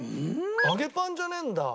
揚げパンじゃねえんだ。